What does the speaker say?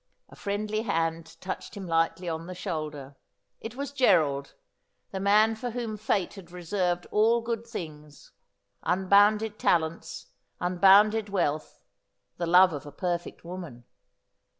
A friendly hand touched him lightly on the shoulder. It was Gerald, the man for whom Fate had reserved all good things — unbounded talents, unbounded wealth, the love of a perfect woman.